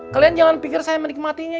kalian jangan pikir saya menikmatinya